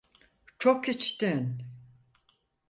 Çok içtin.